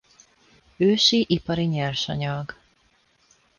Ősi ipari nyersanyag.